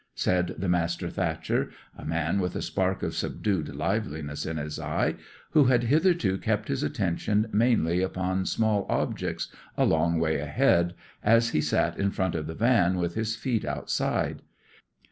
said the master thatcher, a man with a spark of subdued liveliness in his eye, who had hitherto kept his attention mainly upon small objects a long way ahead, as he sat in front of the van with his feet outside.